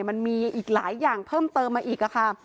มันมีอีกหลายอย่างเพิ่มเติมมาอีกค่ะ